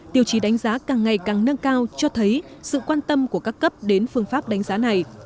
tiêu chí đánh giá càng ngày càng nâng cao cho thấy sự quan tâm của các cấp đến phương pháp đánh giá này